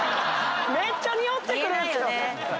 めっちゃにおってくるんすよ！